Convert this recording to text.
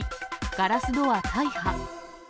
ガラスドア大破。